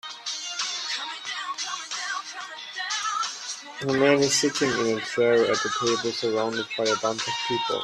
A man is sitting in a chair at a table surrounded by a bunch of people.